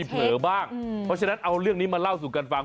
เพราะฉะนั้นเอาเรื่องนี้มาเล่าสู่กันฟัง